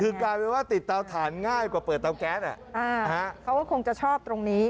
คือกลายเป็นว่าติดเตาถ่านง่ายกว่าเปิดเตาแก๊สเขาก็คงจะชอบตรงนี้